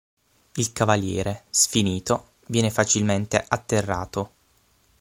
Il cavaliere, sfinito, viene facilmente atterrato.